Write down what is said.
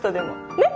ねっ？